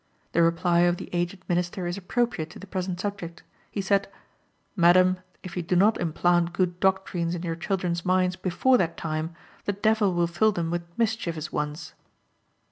The reply of the aged minister is appropriate to the present subject. He said, "Madam, if you do not implant good doctrines in your children's minds before that time, the devil will fill them with mischievous ones."